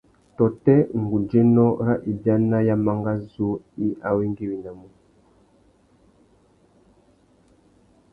Tôtê ngudzénô râ ibiana ya mangazú i awéngüéwinamú?